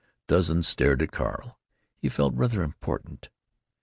Dozens stared at Carl. He felt rather important.